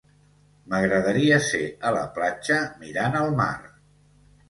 M'agradaria ser a la platja mirant el mar.